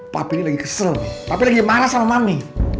papi ini lagi kesel nih tapi lagi marah sama mami